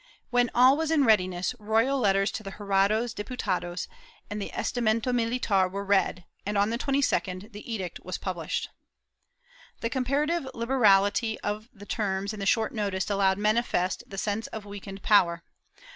When all was in readiness, royal letters to the Jurados, Diputados and Estamento Militar were read and, on the 22d, the edict was published. The comparative liberality of the terms and the short notice allowed manifest the sense of weakened power.